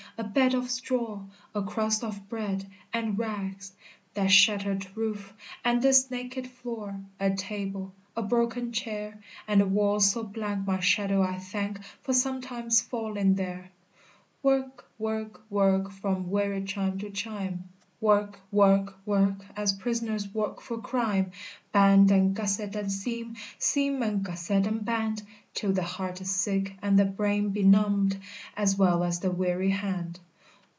A bed of straw, A crust of bread and rags, That shattered roof and this naked floor A table a broken chair And a wall so blank my shadow I thank For sometimes falling there! "Work work work From weary chime to chime! Work work work As prisoners work for crime! Band, and gusset, and seam, Seam, and gusset, and band, Till the heart is sick and the brain benumbed, As well as the weary hand.